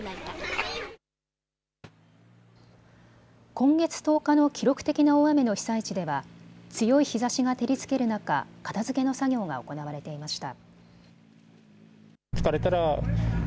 今月１０日の記録的な大雨の被災地では強い日ざしが照りつける中、片づけの作業が行われていました。